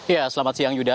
ya selamat siang yuda